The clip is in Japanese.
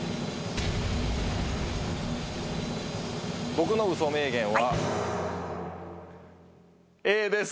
僕のウソ名言はＡです。